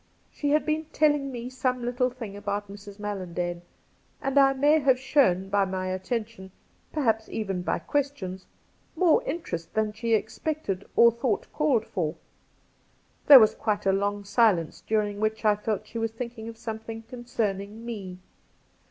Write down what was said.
She had been telling me some little thing about Mrs. Mallandane, and I may have shown by my attention — perhaps even by questions — more interest than she expected or thought called for. There was quite a long silence, during which I felt that she was thinking of something con cerning me.